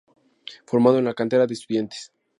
Formado en la cantera de Estudiantes.